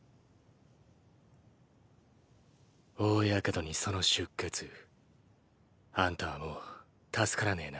大ヤケドにその出血あんたはもう助からねぇな。